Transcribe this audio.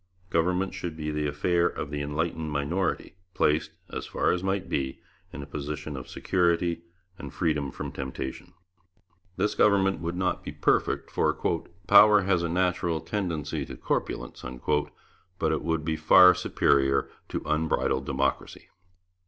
Government should be the affair of the enlightened minority, placed, as far as might be, in a position of security and freedom from temptation. This government would not be perfect, for 'power has a natural tendency to corpulency,' but it would be far superior to an unbridled democracy.